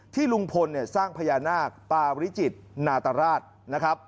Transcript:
ที่ลุงพลสร้างพญานาคปราวิจิตนาตราศน์